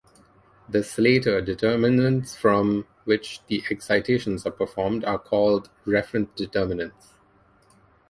The Slater determinants from which the excitations are performed are called reference determinants.